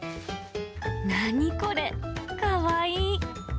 何これ、かわいい。